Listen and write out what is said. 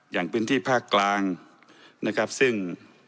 อย่างพื้นที่ภาคกลางนะครับซึ่ง